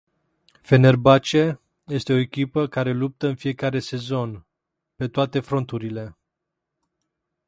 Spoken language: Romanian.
Fenerbahce este o echipă care luptă în fiecare sezon, pe toate fronturile.